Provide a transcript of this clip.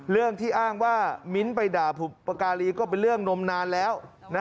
เรื่องที่อ้างว่ามิ้นท์ไปด่าบุปการีก็เป็นเรื่องนมนานแล้ว